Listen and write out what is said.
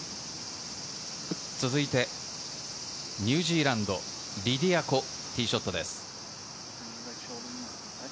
続いてニュージーランド、リディア・コ、ティーショットです。